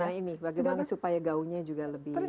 nah ini bagaimana supaya gaunnya juga lebih